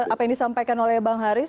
apa yang disampaikan oleh bang haris